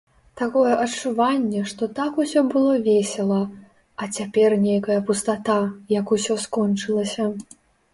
Такое адчуванне, што так усё было весела, а цяпер нейкая пустата, як усё скончылася.